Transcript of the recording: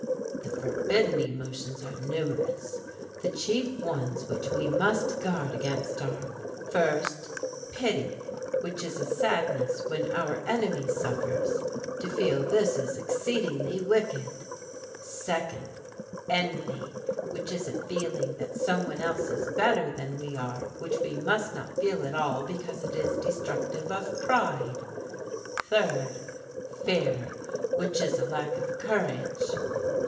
"The forbidden emotions are very numerous. The chief ones which we must guard against are: First, pity, which is a sadness when our enemy suffers; to feel this is exceedingly wicked. Second, envy, which is a feeling that some one else is better than we are, which we must not feel at all because it is destructive of pride. Third, fear, which is a lack of courage.